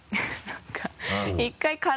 何か１回殻？